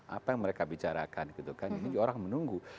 apa yang mereka bicarakan gitu kan ini orang menunggu